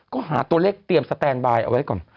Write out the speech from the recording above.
ก็หาตัวเลขเตรียมสแตนบายเอาไว้ก่อน